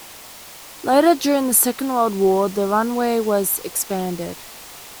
Later during the second World War, the runway was expanded.